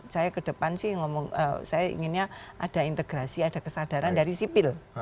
saya ke depan sih ngomong saya inginnya ada integrasi ada kesadaran dari sipil